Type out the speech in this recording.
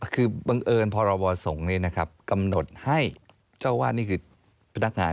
คือบังเอิญพรบสงฆ์กำหนดให้เจ้าวาดนี่คือพนักงาน